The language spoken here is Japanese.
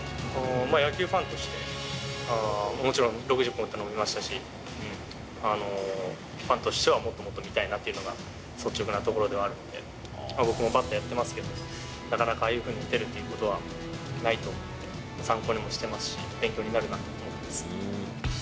野球ファンとして、もちろん６０本打ったのも見ましたし、ファンとしては、もっともっと見たいなっていうのが率直なところではあるので、僕もバッターやってますけど、なかなか、ああいうふうに打てるということはないと思って、参考にもしてますし、勉強になるなと思います。